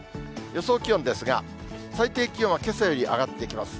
予想気温ですが、最低気温はけさより上がってきます。